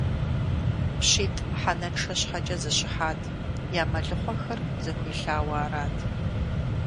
ПщитӀ мыхьэнэншэ щхьэкӀэ зэщыхьат: я мэлыхъуэхэр зэхуилъауэ арат.